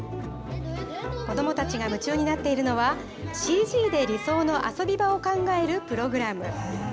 子どもたちが夢中になっているのは、ＣＧで理想の遊び場を考えるプログラム。